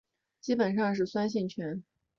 基本上是酸性泉。